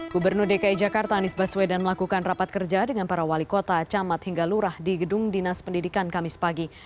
gubernur dki jakarta anies baswedan melakukan rapat kerja dengan para wali kota camat hingga lurah di gedung dinas pendidikan kamis pagi